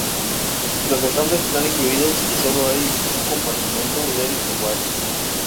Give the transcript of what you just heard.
Los estambres están incluidos y solo hay un compartimento del ovario.